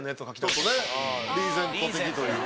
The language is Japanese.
ちょっとねリーゼント気味というか。